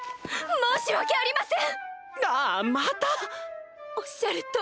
申し訳ありません！